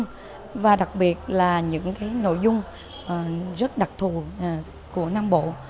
gọi là tù cừc thuộc của nam bộ